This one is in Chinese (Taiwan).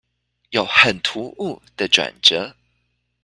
有很突兀的轉折